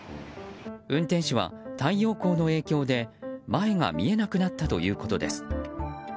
運転手は太陽光の影響で前が見えなくなったということです。